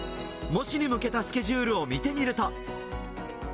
模試に向けたスケジュールを見てみると。